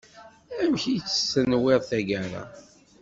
Amek i tt-tenwiḍ taggara.